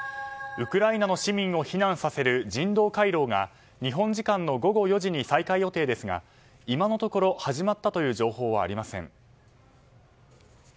ウクライナの市民を避難させる人道回廊が日本時間の午後４時に再開予定ですが今のところ始まったという情報はありません。